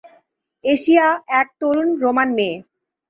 Asia এক তরুণ Roman মেয়ে।